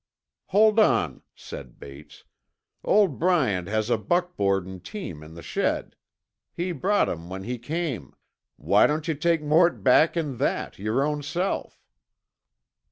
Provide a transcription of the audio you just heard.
"Hold on," said Bates. "Old Bryant has a buckboard an' team in the shed. He brought 'em when he came. Why don't you take Mort back in that yer own self?"